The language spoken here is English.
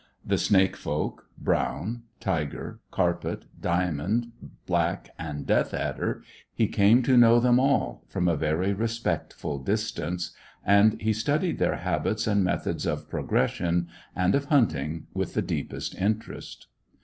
The snake folk, brown, tiger, carpet, diamond, black, and death adder he came to know them all, from a very respectful distance; and he studied their habits and methods of progression, and of hunting, with the deepest interest.